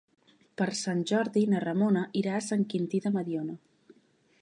Per Sant Jordi na Ramona irà a Sant Quintí de Mediona.